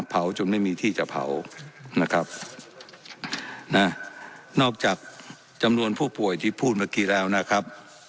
จนไม่มีที่จะเผานะครับนะนอกจากจำนวนผู้ป่วยที่พูดเมื่อกี้แล้วนะครับ